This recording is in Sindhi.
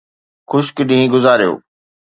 خشڪ ڏينهن گذاريو.